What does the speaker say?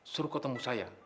suruh ketemu saya